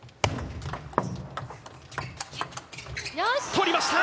取りました！